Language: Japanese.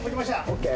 ＯＫ。